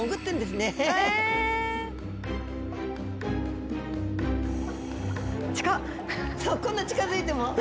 スタジオそうこんな近づいても。